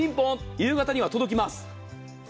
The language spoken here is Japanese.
夕方には届きます。